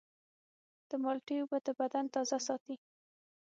د مالټې اوبه د بدن تازه ساتي.